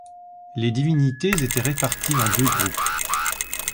Les divinités étaient réparties en deux groupes.